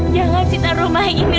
jangan cita rumah ini